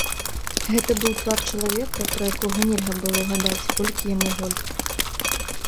Гэта быў твар чалавека, пра якога нельга было ўгадаць, колькі яму год.